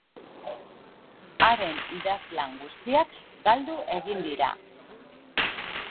Haren idazlan guztiak galdu egin dira.